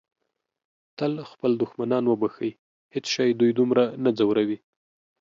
تل خپل دښمنان وبښئ. هیڅ شی دوی دومره نه ځوروي.